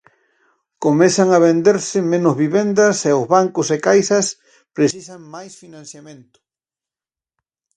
Comezan a venderse menos vivendas e os bancos e caixas precisan máis financiamento.